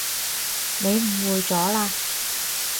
你誤會咗喇